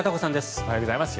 おはようございます。